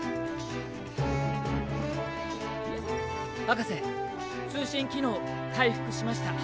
博士通信機能回復しました。